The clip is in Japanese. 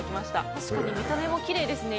確かに見た目もきれいですね